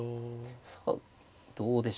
さあどうでしょう。